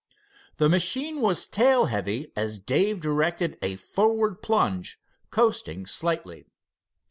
The machine was tail heavy as Dave directed a forward plunge, coasting slightly.